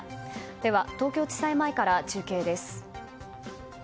では東京地裁前から中継です。